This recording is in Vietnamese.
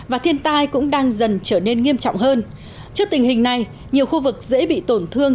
và thiên tai cũng đang dần trở nên nghiêm trọng hơn trước tình hình này nhiều khu vực dễ bị tổn thương